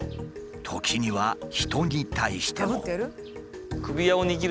時には人に対しても。